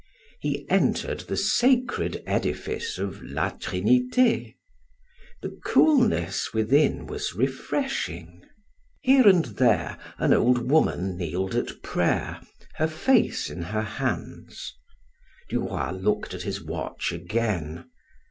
He entered the sacred edifice of La Trinite; the coolness within was refreshing. Here and there an old woman kneeled at prayer, her face in her hands. Du Roy looked at his watch again.